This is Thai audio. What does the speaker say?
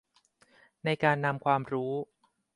ในการนำความรู้